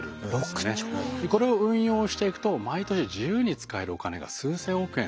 これを運用していくと毎年自由に使えるお金が数千億円出てくるんです。